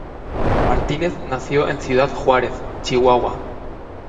Martínez nació en Ciudad Juárez, Chihuahua.